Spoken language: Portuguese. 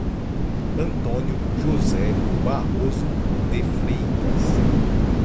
Antônio José Barroso de Freitas